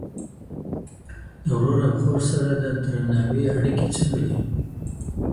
د ورور او خور سره د درناوي اړيکي څنګه دي؟